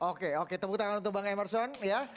oke oke tepuk tangan untuk bang emerson ya